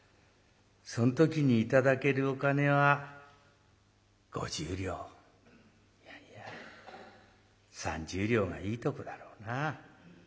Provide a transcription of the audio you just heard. そん時に頂けるお金は５０両いやいや３０両がいいとこだろうな。